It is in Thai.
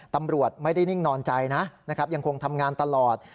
ตำรวจไม่ได้นิ่งนอนใจนะนะครับยังคงทำงานตลอด